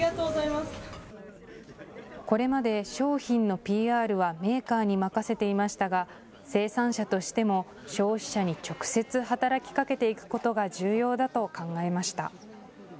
これまで商品のＰＲはメーカーに任せていましたが生産者としても消費者に直接、働きかけていくことが重要だと考えました。